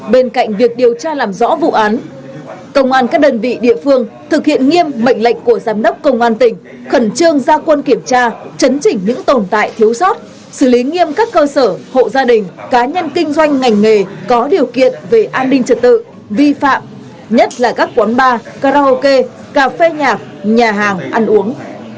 bên cạnh việc điều tra làm rõ vụ án công an các đơn vị địa phương thực hiện nghiêm mệnh lệnh của giám đốc công an tỉnh khẩn trương ra quân kiểm tra chấn chỉnh những tồn tại thiếu sót xử lý nghiêm các cơ sở hộ gia đình cá nhân kinh doanh ngành nghề có điều kiện về an ninh trật tự vi phạm nhất là các quán bar karaoke cà phê nhạc nhà hàng ăn uống